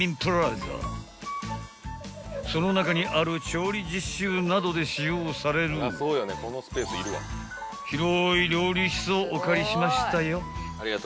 ［その中にある調理実習などで使用される広い料理室をお借りしましたよ］